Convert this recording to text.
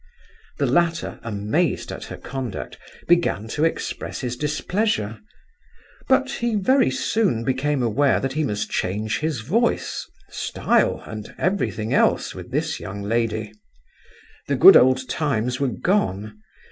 The latter, amazed at her conduct, began to express his displeasure; but he very soon became aware that he must change his voice, style, and everything else, with this young lady; the good old times were gone.